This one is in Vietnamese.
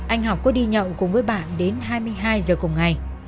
anh học có đi nhậu cùng với bạn đến hai mươi hai giờ cùng ngày